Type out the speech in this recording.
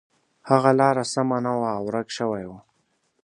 هغه لاره سمه نه وه او ورک شوی و.